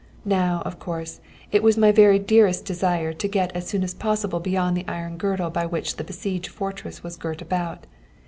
Now, of course, it was my very dearest desire to get as soon as possible beyond the iron girdle by which the besieged fortress was girt about.